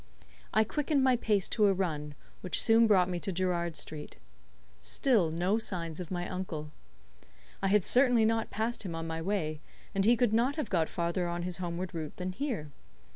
I quickened my pace to a run, which soon brought me to Gerrard Street. Still no signs of my uncle. I had certainly not passed him on my way, and he could not have got farther on his homeward route than here.